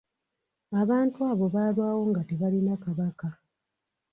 Abantu abo baalwawo nga tebalina kabaka.